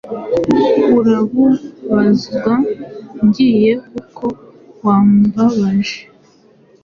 Urabubazwa ngiye kuko wambabaje